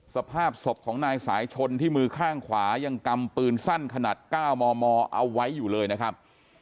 สภาพศพของนายสายชนที่มือข้างขวายังกำปืนสั้นขนาด๙มมเอาไว้อยู่เลยนะครับ